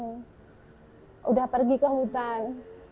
sudah pergi ke hutan